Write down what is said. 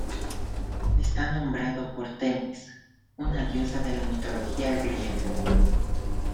Está nombrado por Temis, una diosa de la mitología griega.